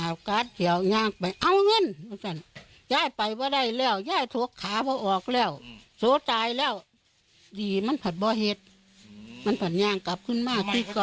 มันผ่านย่างกลับขึ้นมาที่เกาเอาเงินสองร้อยอ่ะแม่ค่ะไปทำอะไรอ่ะ